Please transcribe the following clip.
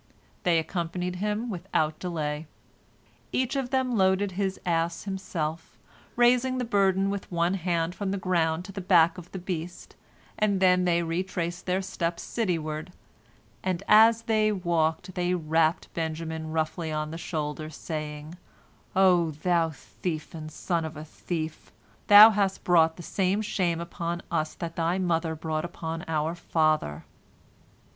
They accompanied him without delay. Each of them loaded his ass himself, raising the burden with one hand from the ground to the back of the beast, and then they retraced their steps cityward, and as they walked, they rapped Benjamin roughly on the shoulder, saying, "O thou thief and son of a thief, thou hast brought the same shame upon us that thy mother brought upon our father."